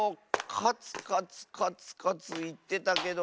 カツカツカツカツいってたけど。